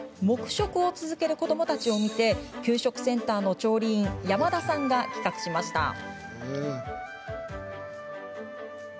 黙食を続ける子どもたちを見て給食センターの調理員山田さんが企画しました。